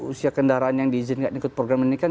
usia kendaraan yang diizinkan ikut program ini kan